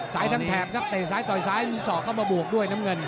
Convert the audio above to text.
ทั้งแถบครับเตะซ้ายต่อยซ้ายมีศอกเข้ามาบวกด้วยน้ำเงิน